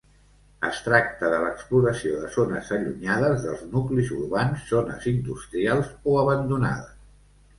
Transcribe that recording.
Es tracta de l'exploració de zones allunyades dels nuclis urbans, zones industrials, o abandonades.